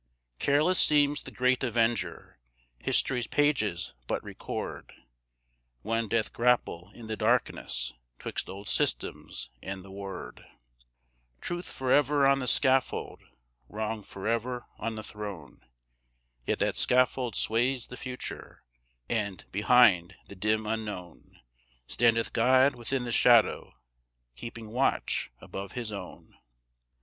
Careless seems the great Avenger; history's pages but record One death grapple in the darkness 'twixt old systems and the Word; Truth forever on the scaffold, Wrong forever on the throne, Yet that scaffold sways the Future, and, behind the dim unknown, Standeth God within the shadow, keeping watch above his own.